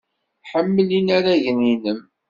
Ḥemmel inaragen-nnem.